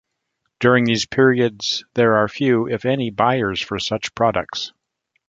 During these periods, there are few, if any buyers for such products.